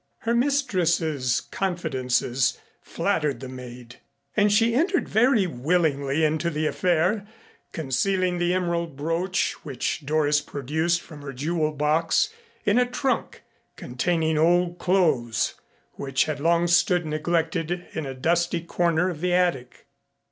Her mistress's confidences flattered the maid and she entered very willingly into the affair, concealing the emerald brooch which Doris produced from her jewel box, in a trunk containing old clothes which had long stood neglected in a dusty corner of the attic.